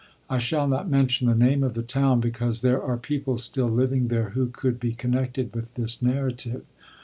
I shall not mention the name of the town, because there are people still living there who could be connected with this narrative.